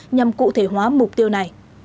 nhằm cụ thể hóa mục tiêu này